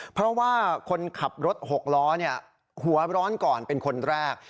เพราะว่าคนขับรถ๖ล้อหัวร้อนก่อนเป็นคนแรก